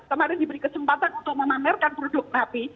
kemarin diberi kesempatan untuk memamerkan produk napi